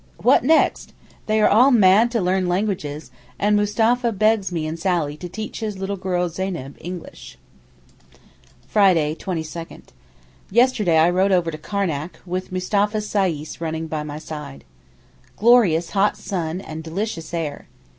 What next? They are all mad to learn languages, and Mustapha begs me and Sally to teach his little girl Zeyneb English. Friday, 22_nd_.—Yesterday I rode over to Karnac, with Mustapha's sais running by my side. Glorious hot sun and delicious air.